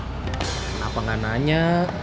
kenapa gak nanya